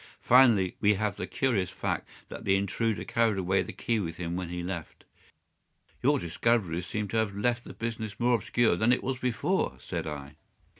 Finally, we have the curious fact that the intruder carried away the key with him when he left." "Your discoveries seem to have left the business more obscure that it was before," said I.